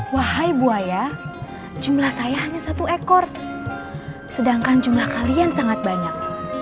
wahai buaya jumlah saya hanya satu ekor sedangkan jumlah kalian sangat banyak